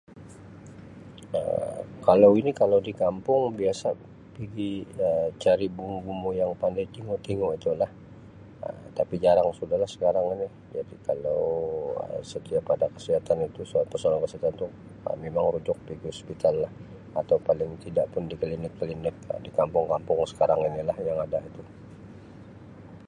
Um Kalau ini kalau di kampung biasa pigi Um cari bomoh-bomoh yang pandai tingu tingu tu lah Um tapi jarang suda lah sekarang ini jadi kalau Um setiap ada kesihatan tu [unintelligible] masalah kesihatan tu mimang rujuk pigi hospital lah atau paling tida pun di klinik-klinik Um di kampung-kampung sekarang ini lah yang ada itu.